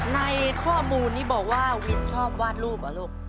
ในข้อมูลนี้บอกว่าวินชอบวาดรูปเหรอลูก